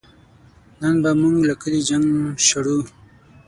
نن به نو مونږ له کلي جنګ شړو